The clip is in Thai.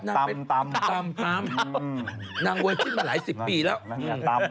นางโวยจิ้มมาหลายสิบปีแล้ว